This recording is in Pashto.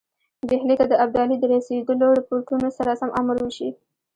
ډهلي ته د ابدالي د رسېدلو رپوټونو سره سم امر وشي.